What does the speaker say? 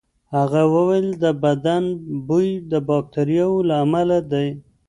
هغه وویل د بدن بوی د باکتریاوو له امله دی.